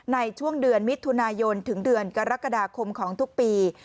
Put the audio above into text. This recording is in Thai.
ในช่วงเดือนมิถุนายนถึงเดือนกรกฎาคมของทุกปี